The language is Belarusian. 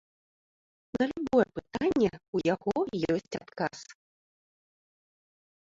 На любое пытанне ў яго ёсць адказ.